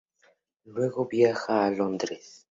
Luego viaja a Londres.